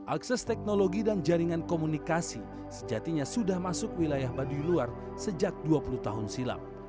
akses teknologi dan jaringan komunikasi sejatinya sudah masuk wilayah baduy luar sejak dua puluh tahun silam